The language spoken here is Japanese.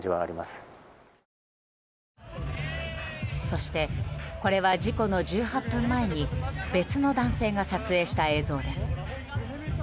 そしてこれは事故の１８分前に別の男性が撮影した映像です。